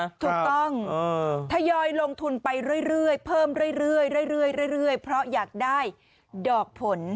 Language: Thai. ถูกต้องทยอยลงทุนไปเรื่อยเพิ่มเรื่อยเพราะอยากได้ดอกผล